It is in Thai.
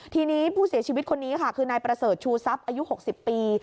ทีนี้ผู้เสียชีวิตคนนี้ค่ะคือนายประเสริฐชูทรัพย์อายุ๖๐ปี